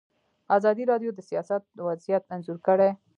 ازادي راډیو د سیاست وضعیت انځور کړی.